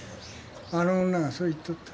あの女がそう言っとった。